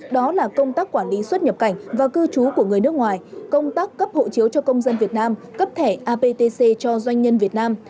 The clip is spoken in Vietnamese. đó là công tác quản lý xuất nhập cảnh và cư trú của người nước ngoài công tác cấp hộ chiếu cho công dân việt nam cấp thẻ aptc cho doanh nhân việt nam